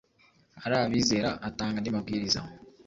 ari abizera, atanga andi mabwiriza